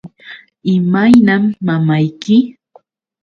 ¿Imaynam mamayki?